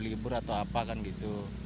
libur atau apa kan gitu